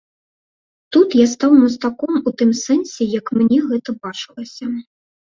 Тут я стаў мастаком у тым сэнсе, як мне гэта бачылася.